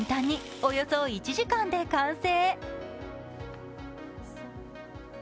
およそ１時間で歓声。